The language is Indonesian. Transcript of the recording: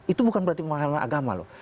itu bukan berarti masalah agama loh